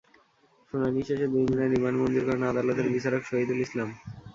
শুনানি শেষে দুই দিনের রিমান্ড মঞ্জুর করেন আদালতের বিচারক শহীদুল ইসলাম।